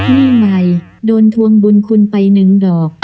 มีใหม่โดนทวงบุญคุณไปหนึ่งดอก